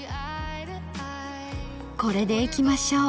これでいきましょう。